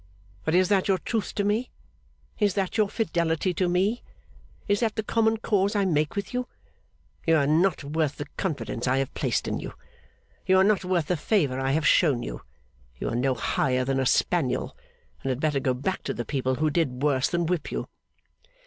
But is that your truth to me? Is that your fidelity to me? Is that the common cause I make with you? You are not worth the confidence I have placed in you. You are not worth the favour I have shown you. You are no higher than a spaniel, and had better go back to the people who did worse than whip you.